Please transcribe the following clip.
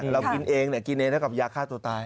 เรากินเองกินเองแล้วกับยาฆ่าตัวตาย